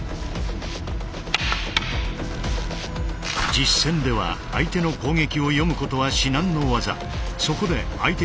実戦では相手の攻撃を読むことは至難の業。